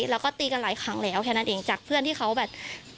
แล้วก็ตีกันหลายครั้งแล้วแค่นั้นเองจากเพื่อนที่เขาแบบ